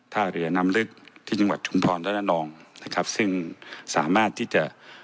ท่าเรือน้ำลึกที่จังหวัดชุมพรและละนองนะครับซึ่งสามารถที่จะ